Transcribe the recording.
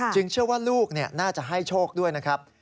เชื่อว่าลูกน่าจะให้โชคด้วยนะครับ